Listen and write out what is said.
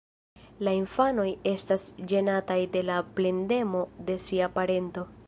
La infanoj estas ĝenataj de la plendemo de sia parento.